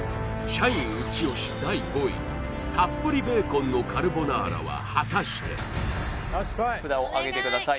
社員イチ押し第５位たっぷりベーコンのカルボナーラは果たして札をあげてください